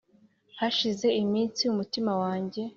hashize iminsi umutima wanjye